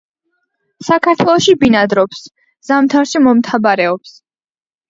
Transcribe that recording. საქართველოში ბინადრობს, ზამთარში მომთაბარეობს.